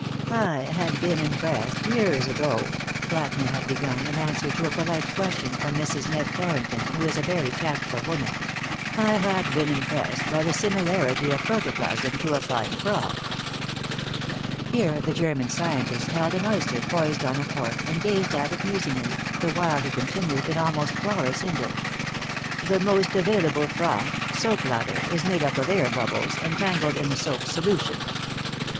"I had been impressed, years ago," Plätner had begun, in answer to a polite question from Mrs. "Ned" Farrington, who is a very tactful woman; "I had been impressed by the similarity of protoplasm to a fine froth." Here the German scientist held an oyster poised on a fork and gazed at it musingly, the while he continued, in almost flawless English: "The most available froth, soap lather, is made up of air bubbles entangled in soap solution.